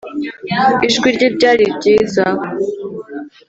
ijwi rye ryari ryiza